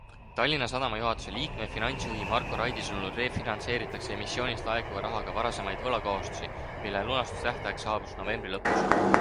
Tallinna Sadama juhatuse liikme-finantsjuhi Marko Raidi sõnul refinantseeritakse emissioonist laekuva rahaga varajasemaid võlakohustusi, mille lunastustähtaeg saabus novembri lõpus.